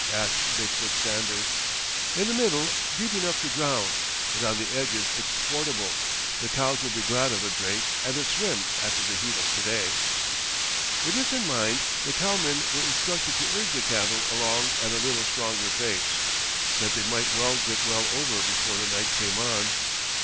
asked Big foot Sanders. "In the middle, deep enough to drown, but on the edges it's fordable. The cows will be glad of a drink and a swim after the heat of to day." With this in mind the cowmen were instructed to urge the cattle along at a little stronger pace, that they might all get well over before the night came on.